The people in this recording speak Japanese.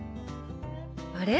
あれ？